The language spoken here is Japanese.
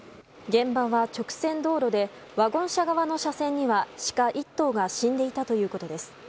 現場は直線道路でワゴン車側の車線にはシカ１頭が死んでいたということです。